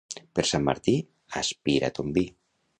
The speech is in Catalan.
Per Sant Martí aspira ton vi.